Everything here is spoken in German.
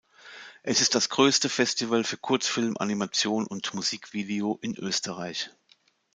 Es ist das größte Festival für Kurzfilm, Animation und Musikvideo in Österreich.